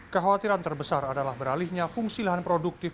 kekhawatiran terbesar adalah beralihnya fungsi lahan produktif